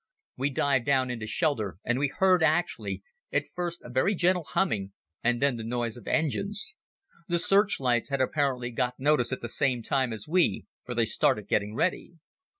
We dived down into shelter and we heard actually, at first a very gentle humming and then the noise of engines. The searchlights had apparently got notice at the same time as we, for they started getting ready.